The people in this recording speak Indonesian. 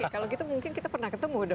kalau gitu mungkin kita pernah ketemu dong